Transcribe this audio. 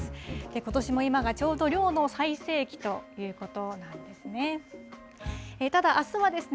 ことしも今がちょうど漁の最盛期ということなんですね。